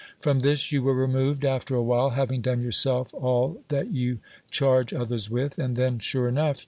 From this you were removed after a while, having done yourself all that you charge others with: and then, sure enoui di.